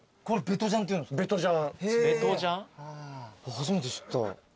初めて知った。